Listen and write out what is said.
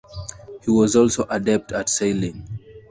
He was also adept at sailing.